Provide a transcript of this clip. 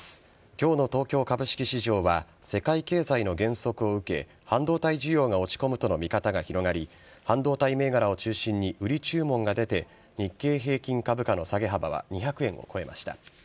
きょうの東京株式市場は、世界経済の減速を受け、半導体需要が落ち込むとの見方が広がり、半導体銘柄を中心に売り注文が出て、日経平均株価の下げ幅は２００円を超えました。